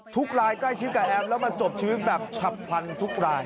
ทุกรายใกล้ชิดกับแอมแล้วมาจบชีวิตแบบฉับพลันทุกราย